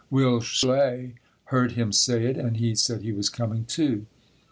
Will Schley heard him say it and he said he was coming too.